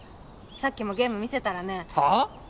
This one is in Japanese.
さっきもゲーム見せたらねはあ？